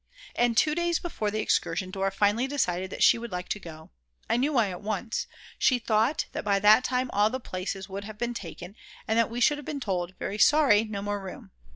And two days before the excursion Dora finally decided that she would like to go; I knew why at once; she thought that by that time all the places would have been taken, and that we should have been told: Very sorry, no more room.